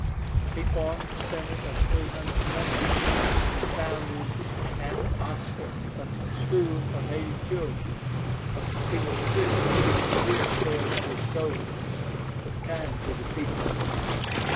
He formed a Senate of three hundred members, and founded at Osca a school for native children. He was strict and severe towards his soldiers, but kind to the people.